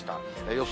予想